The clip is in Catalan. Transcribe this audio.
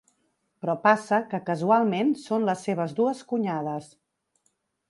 Però passa que casualment són les seves dues cunyades…